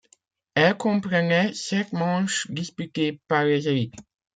Elle comprenait sept manches disputées par les élites.